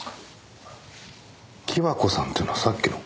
貴和子さんっていうのはさっきの？